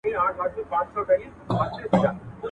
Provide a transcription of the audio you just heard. د اوښ غلا په ټيټه ملا نه کېږي.